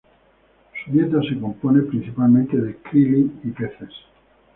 Su dieta se compone principalmente de krill y peces.